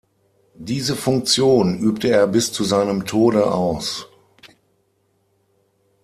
Diese Funktion übte er bis zu seinem Tode aus.